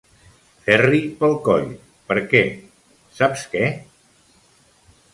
Ferri pel coll–, perquè, saps què?